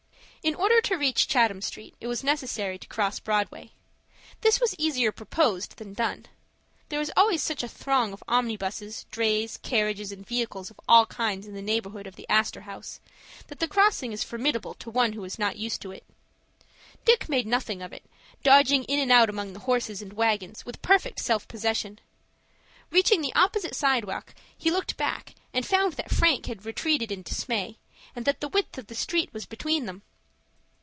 In order to reach Chatham Street it was necessary to cross Broadway. This was easier proposed than done. There is always such a throng of omnibuses, drays, carriages, and vehicles of all kinds in the neighborhood of the Astor House, that the crossing is formidable to one who is not used to it. Dick made nothing of it, dodging in and out among the horses and wagons with perfect self possession. Reaching the opposite sidewalk, he looked back, and found that Frank had retreated in dismay, and that the width of the street was between them.